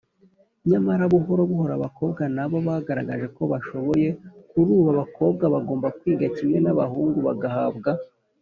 Nyamara buhorobuhoro, abakobwa na bo bagaragaje ko bashoboyKuri ubu abakobwa bagomba kwiga kimwe n’abahungu, bagahabwa